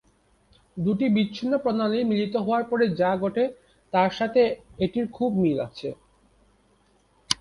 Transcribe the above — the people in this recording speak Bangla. দুটি বিচ্ছিন্ন প্রণালী মিলিত হওয়ার পরে যা ঘটে তার সাথে এটির খুব মিল আছে।